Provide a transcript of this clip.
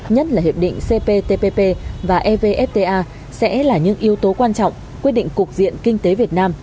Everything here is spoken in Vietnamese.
nhất là hiệp định cptpp và evfta sẽ là những yếu tố quan trọng quyết định cục diện kinh tế việt nam